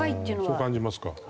そう感じますか？